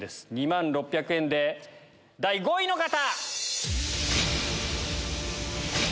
２万６００円で第５位の方！